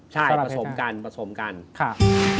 ใช่ผสมกันค่ะ